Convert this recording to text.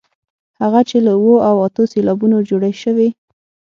هغه چې له اوو او اتو سېلابونو جوړې شوې.